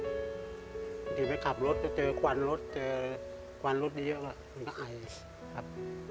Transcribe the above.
เดี๋ยวไปขับรถจะเจอควันรถเจอควันรถเยอะมันก็ไอครับ